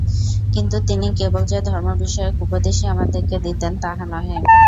কিন্তু তিনি কেবল যে ধর্মবিষয়ক উপদেশই আমাদিগকে দিতেন, তাহা নহে।